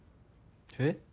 えっ？